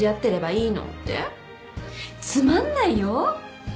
つまんないよ？